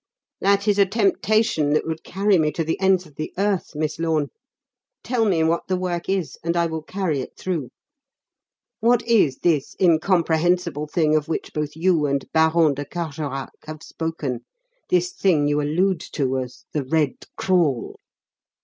"That is a temptation that would carry me to the ends of the earth, Miss Lorne. Tell me what the work is, and I will carry it through. What is this incomprehensible thing of which both you and Baron de Carjorac have spoken this thing you allude to as 'The Red Crawl'?"